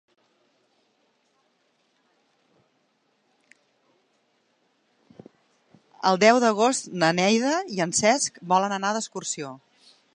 El deu d'agost na Neida i en Cesc volen anar d'excursió.